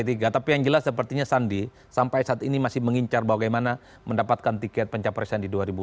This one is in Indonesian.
tapi yang jelas sepertinya sandi sampai saat ini masih mengincar bagaimana mendapatkan tiket pencapresan di dua ribu dua puluh